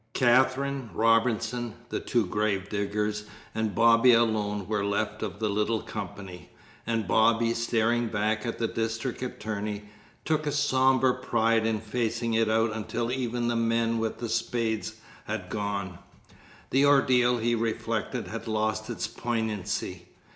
Katherine, Robinson, the two grave diggers, and Bobby alone were left of the little company; and Bobby, staring back at the district attorney, took a sombre pride in facing it out until even the men with the spades had gone. The ordeal, he reflected, had lost its poignancy.